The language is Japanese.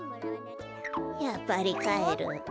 やっぱりかえる。